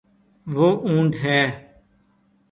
وہ اونٹ ہے